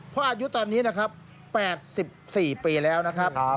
เพราะอายุตอนนี้นะครับ๘๔ปีแล้วนะครับ